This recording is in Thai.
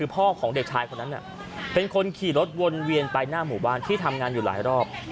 พ่อของเด็กชายคนนั้นเป็นคนขี่รถวนเวียนไปหน้าหมู่บ้านที่ทำงานอยู่หลายรอบ